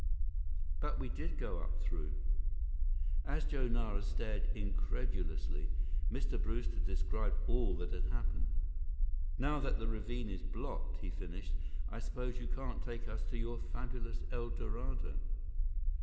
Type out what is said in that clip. "But we did go up through." As Joe Nara stared incredulously, Mr. Brewster described all that had happened. "Now that the ravine is blocked," he finished, "I suppose you can't take us to your fabulous El Dorado."